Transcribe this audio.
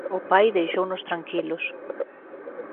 O pai deixounos tranquilos.